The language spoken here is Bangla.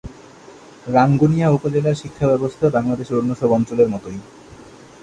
রাঙ্গুনিয়া উপজেলার শিক্ষা ব্যবস্থা বাংলাদেশের অন্য সব অঞ্চলের মতোই।